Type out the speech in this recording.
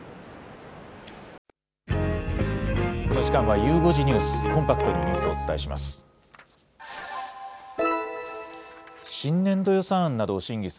この時間はゆう５時ニュース、コンパクトにニュースをお伝えします。